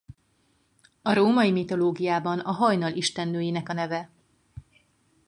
A római mitológiában a hajnal istennőjének a neve.